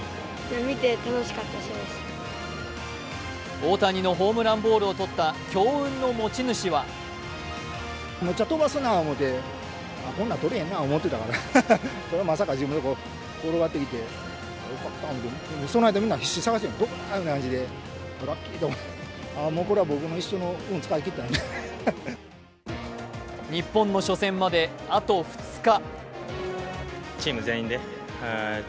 大谷のホームランボールをとった強運の持ち主は日本の初戦まで、あと２日。